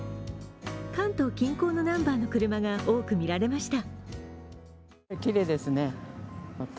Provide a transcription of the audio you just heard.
関東近郊のナンバーの車が多く見られました。